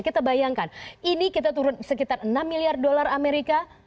kita bayangkan ini kita turun sekitar enam miliar dolar amerika